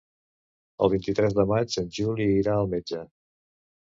El vint-i-tres de maig en Juli irà al metge.